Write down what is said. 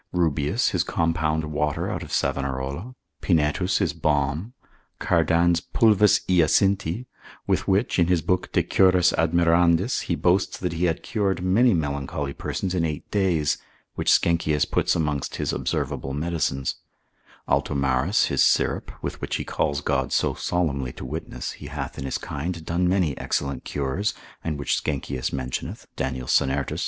Rubeus his compound water out of Savanarola; Pinetus his balm; Cardan's Pulvis Hyacinthi, with which, in his book de curis admirandis, he boasts that he had cured many melancholy persons in eight days, which Sckenkius puts amongst his observable medicines; Altomarus his syrup, with which he calls God so solemnly to witness, he hath in his kind done many excellent cures, and which Sckenkius cent. 7. observ. 80. mentioneth, Daniel Sennertus lib.